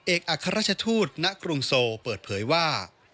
เอกอัครราชทุทธิ์ณกรุงโซลเปิดเผยว่า